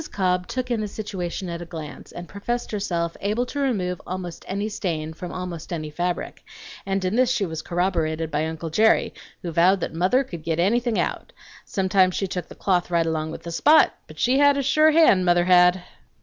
Cobb took in the situation at a glance, and professed herself able to remove almost any stain from almost any fabric; and in this she was corroborated by uncle Jerry, who vowed that mother could git anything out. Sometimes she took the cloth right along with the spot, but she had a sure hand, mother had!